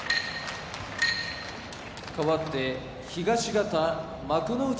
かわって東方幕内